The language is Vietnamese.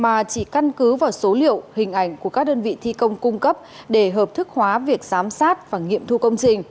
mà chỉ căn cứ vào số liệu hình ảnh của các đơn vị thi công cung cấp để hợp thức hóa việc giám sát và nghiệm thu công trình